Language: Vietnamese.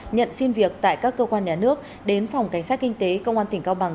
nhận xin việc tại các cơ quan nhà nước đến phòng cảnh sát kinh tế công an tỉnh cao bằng